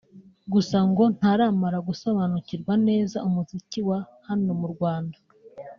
Gusa ngo ntaramara gusobanukirwa neza umuziki wa hano mu Rwanda